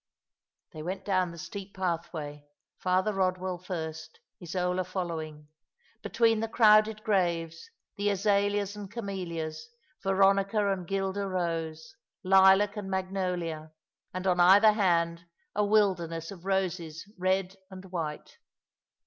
They went down the steep pathway, Father Eodwell first, Isola following, between the crowded graves, the azaleas and camelias, veronica and guelder rose, lilac and mag nolia, and on either hand a wilderness of roses, red and white.